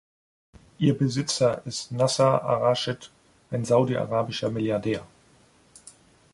Ihr Besitzer ist Nasser ar-Raschid, ein saudi-arabischer Milliardär.